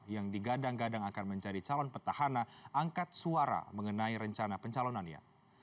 yang digadang gadang akan menjadi calon petahana angkat suara mengenai rencana pencalonannya